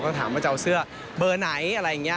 ก็ถามว่าจะเอาเสื้อเบอร์ไหนอะไรอย่างนี้